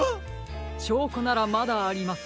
しょうこならまだあります。